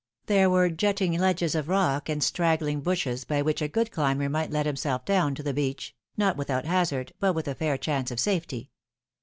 There were jutting ledges of rock and straggling bushes by which a good climber migbt let himself down to the beach, not without hazard, but with a fair chance of safety.